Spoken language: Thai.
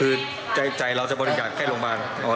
คือใจเราจะบริจาคแค่โรงพยาบาล